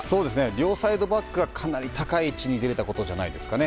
両サイドバックがかなり高い位置に出れたことじゃないですかね。